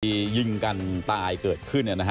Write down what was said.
มียิงกันตายเกิดขึ้น